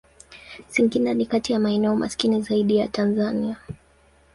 Singida ni kati ya maeneo maskini zaidi ya Tanzania.